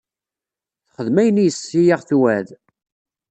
Texdem ayen iyes i aɣ-tewɛed.